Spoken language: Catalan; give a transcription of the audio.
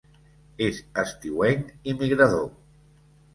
És estiuenc i migrador.